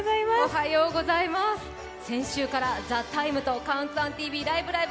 先週から「ＴＨＥＴＩＭＥ，」と「ＣＤＴＶライブ！